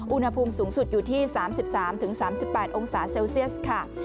อุณหภูมิสูงสุดอยู่ที่๓๓๘องศาเซลเซียสค่ะ